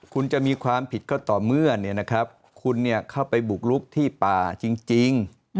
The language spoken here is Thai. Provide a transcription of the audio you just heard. คุณจะมีความผิดก็ต่อเมื่อคุณเข้าไปบุกลุกที่ป่าจริง